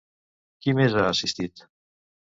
Qui més ha assistit?